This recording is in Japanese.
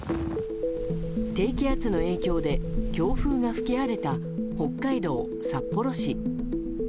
低気圧の影響で強風が吹き荒れた北海道札幌市。